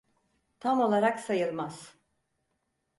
Tam olarak sayılmaz.